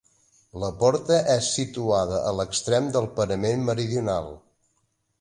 La porta és situada a l'extrem del parament meridional.